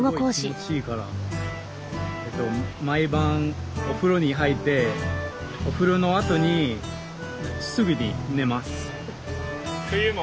毎晩お風呂に入ってお風呂のあとにすぐに寝ます。